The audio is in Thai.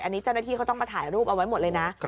อันนี้เจ้าหน้าที่เขาต้องมาถ่ายรูปเอาไว้หมดเลยนะ